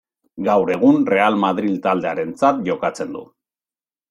Gaur egun Real Madril taldearentzat jokatzen du.